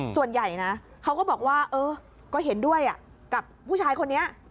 ส่วนใหญ่นะเขาก็บอกว่าเออก็เห็นด้วยกับผู้ชายคนนี้